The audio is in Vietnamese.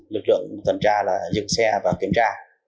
lực lượng tuần tra là dừng xe và kiểm tra